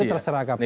itu terserah kpu